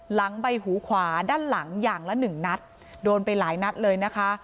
หลังใบหูขวาด้านหลังอย่างละหนึ่งนัดโดนไปหลายนัดเลยนะคะ